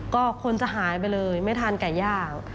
ก็คนจะหายไปเลยไม่ทานไก่ย่าง